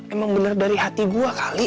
emang bener dari hati gue kali